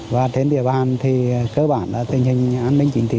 và trên địa bàn thì cơ bản là tình hình an ninh chính trị